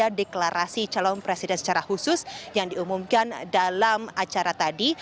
ada deklarasi calon presiden secara khusus yang diumumkan dalam acara tadi